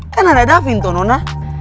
kan ada davin tuh nona